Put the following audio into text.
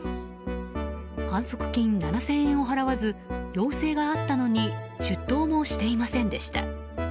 反則金７０００円を払わず要請があったのに出頭もしていませんでした。